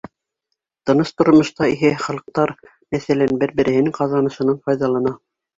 Тыныс тормошта иһә халыҡтар, мәҫәлән, бер-береһенең ҡаҙанышынан файҙалана.